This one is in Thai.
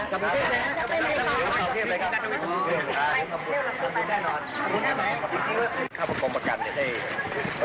ขอบคุณที่เข้าไปใหม่ก่อนขอโภตเทียบเลยครับ